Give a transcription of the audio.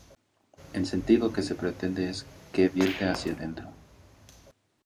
El sentido que se pretende es "que vierte hacia dentro".